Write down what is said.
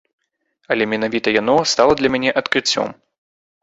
Але менавіта яно стала для мяне адкрыццём.